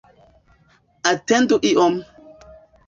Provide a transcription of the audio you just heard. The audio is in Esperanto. Atendu iom!